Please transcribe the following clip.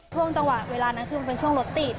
ช่วงจังหวะเวลานั้นคือมันเป็นช่วงรถติด